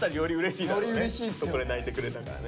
そこで泣いてくれたからね。